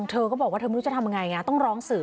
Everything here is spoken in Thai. เธอก็บอกว่าเธอไม่รู้จะทำยังไงต้องร้องสื่อ